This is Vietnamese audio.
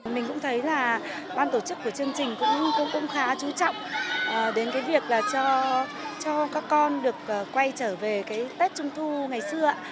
mình cũng thấy là ban tổ chức của chương trình cũng khá chú trọng đến cái việc là cho các con được quay trở về cái tết trung thu ngày xưa